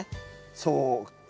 そうか。